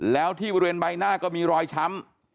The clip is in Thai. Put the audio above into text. แล้วที่บริเวณใบหน้าก็มีรอยช้ำ